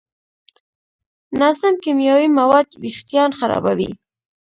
ناسم کیمیاوي مواد وېښتيان خرابوي.